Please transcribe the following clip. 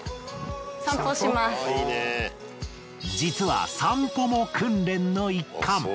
実は散歩も訓練の一環。